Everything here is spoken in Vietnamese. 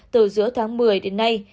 từ giữa tháng một mươi đến nay